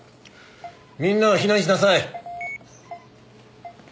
みんなは避難しなさい。